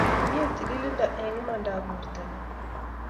mie tililindo eng imandap portonyo